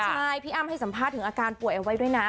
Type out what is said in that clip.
ใช่พี่อ้ำให้สัมภาษณ์ถึงอาการป่วยเอาไว้ด้วยนะ